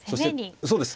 そうです。